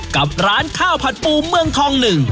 กับร้านข้าวผัดปูเมืองทองหนึ่ง